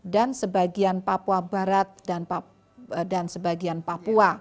dan sebagian papua barat dan sebagian papua